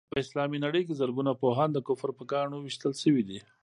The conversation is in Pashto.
په اسلامي نړۍ کې زرګونه پوهان د کفر په ګاڼو ويشتل شوي دي.